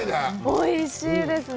おいしいですね。